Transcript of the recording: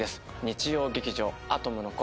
日曜劇場「アトムの童」